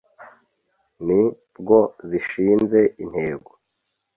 ni bwo zishinze intego ;